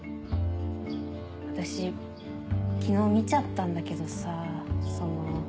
私昨日見ちゃったんだけどさその。